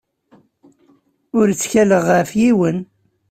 Ur ttkaleɣ ɣef yiwen.